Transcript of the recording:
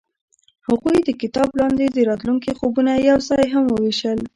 هغوی د کتاب لاندې د راتلونکي خوبونه یوځای هم وویشل.